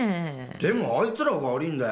でもあいつらが悪いんだよ！